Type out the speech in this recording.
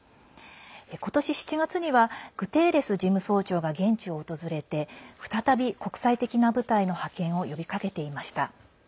今年７月にはグテーレス事務総長が現地を訪れ再び、国際的な部隊の派遣を呼びかけていました。